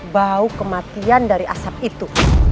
bau kematian dari asap itu